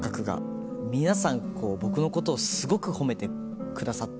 皆さん僕のことをすごく褒めてくださったんです。